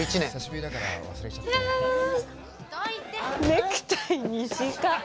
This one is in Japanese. ネクタイ短っ。